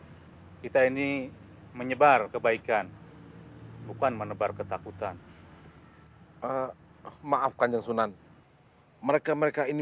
ayo kita ini menyebar kebaikan bukan menebar ketakutan maafkan yang sunan mereka mereka ini